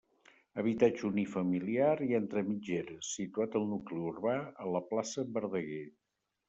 Habitatge unifamiliar i entre mitgeres, situat al nucli urbà, a la plaça Verdaguer.